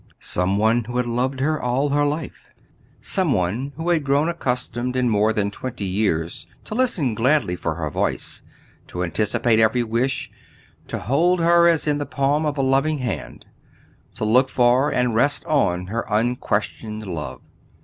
Some one who had loved her all her life, some one who had grown accustomed in more than twenty years to listen gladly for her voice, to anticipate every wish, to hold her as in the palm of a loving hand, to look for and rest on her unquestioned love.